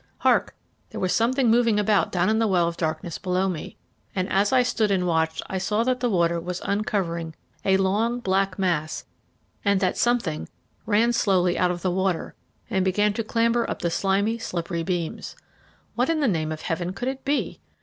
Hark! there was something moving about down in the well of darkness below me, and as I stood and watched I saw that the water was uncovering a long, black mass and that something ran slowly out of the water and began to clamber up the slimy, slippery beams. What in the name of heaven could it be?